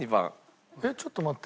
えっちょっと待って。